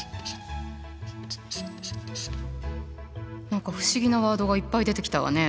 何か不思議なワードがいっぱい出てきたわね。